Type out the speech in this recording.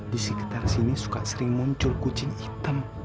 di sekitar sini suka sering muncul kucing hitam